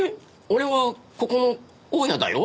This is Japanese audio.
俺はここの大家だよ。